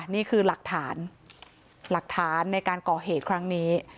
นี่คือหลักฐานหลักฐานในการก่อเหตุครั้งนี้